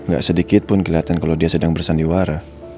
gak sedikit pun kelihatan kalau dia sedang bersandiwara